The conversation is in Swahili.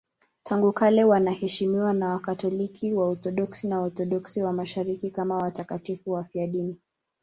Tangu kale wanaheshimiwa na Wakatoliki, Waorthodoksi na Waorthodoksi wa Mashariki kama watakatifu wafiadini.